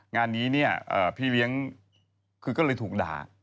งานนี้เนี่ยพี่เลี้ยงคือก็เลยถูกด่า